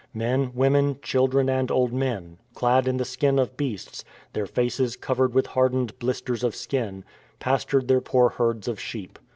Men, women, children, and old men, clad in the skins of beasts, their faces covered with hardened blisters of skin, pastured their poor herds of sheep.